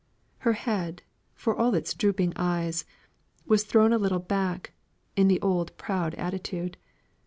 Her head, for all its drooping eyes, was thrown a little back, in the old proud attitude.